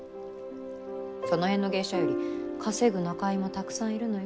その辺の芸者より稼ぐ仲居もたくさんいるのよ。